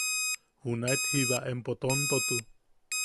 Junaet jiba empo tontotu.